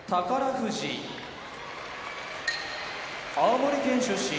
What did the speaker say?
富士青森県出身